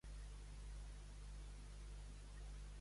De sobte, què va mormolar en Pau Ternal?